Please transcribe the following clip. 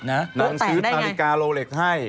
น้ำซื้อตาริกาโลเล็กให้